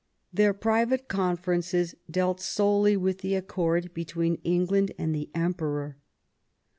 Their private conferences dealt solely with the accord between England and the Emperor.